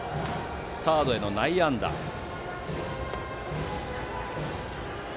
サードへの内野安打でした。